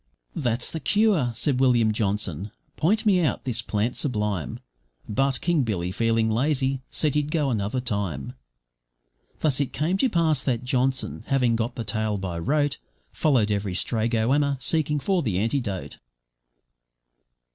`That's the cure,' said William Johnson, `point me out this plant sublime,' But King Billy, feeling lazy, said he'd go another time. Thus it came to pass that Johnson, having got the tale by rote, Followed every stray goanna, seeking for the antidote.